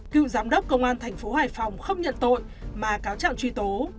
cựu giám đốc công an thành phố hải phòng không nhận tội mà cáo trạng truy tố